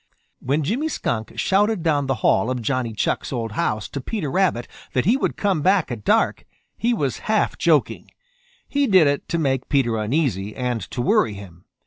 When Jimmy Skunk shouted down the hall of Johnny Chuck's old house to Peter Rabbit that he would come back at dark, he was half joking. He did it to make Peter uneasy and to worry him.